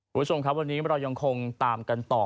คุณผู้ชมครับวันนี้เรายังคงตามกันต่อ